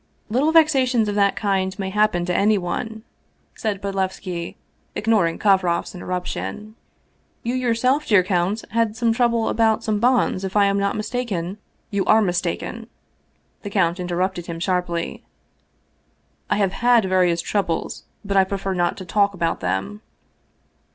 " Little vexations of that kind may happen to anyone," said Bodlevski, ignoring KovrofPs interruption. " You yourself, dear count, had some trouble about some bonds, if I am not mistaken ?"" You are mistaken," the count interrupted him sharply. " I have had various troubles, but I prefer not to talk about them."